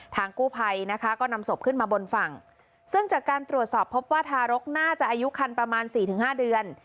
กู้ภัยนะคะก็นำศพขึ้นมาบนฝั่งซึ่งจากการตรวจสอบพบว่าทารกน่าจะอายุคันประมาณสี่ถึงห้าเดือน